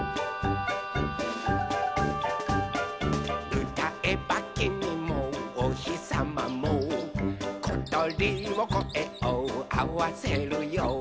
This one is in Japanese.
「うたえばきみもおひさまもことりもこえをあわせるよ」